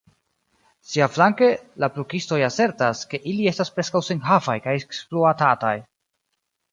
Siaflanke, la plukistoj asertas, ke ili estas preskaŭ senhavaj kaj ekspluatataj.